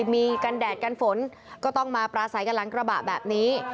มีกันแดดกันฝนก็ต้องมาปราศัยกันหลังกระบะแบบนี้